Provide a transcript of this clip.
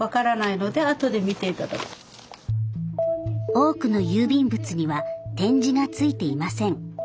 多くの郵便物には点字がついていません。